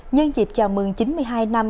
nhân dịp chào mừng chín mươi hai năm